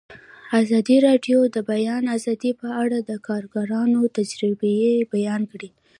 ازادي راډیو د د بیان آزادي په اړه د کارګرانو تجربې بیان کړي.